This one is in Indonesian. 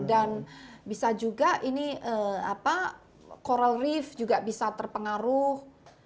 dan bisa juga ini apa coral reef juga bisa terpengaruh